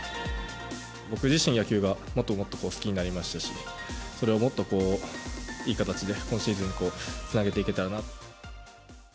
僕自身、野球がもっともっと好きになりましたし、それをもっといい形で、今シーズン、つなげていけたらなと。